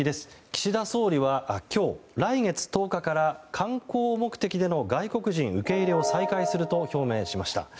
岸田総理は今日、来月１０日から観光目的での外国人受け入れを再開すると表明しました。